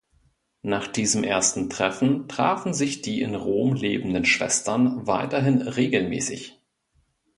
Nach diesem ersten Treffen trafen sich die in Rom lebenden Schwestern weiterhin regelmäßig.